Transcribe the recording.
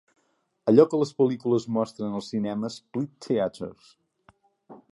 Allò que les pel·lícules mostren als cinemes Plitt Theatres.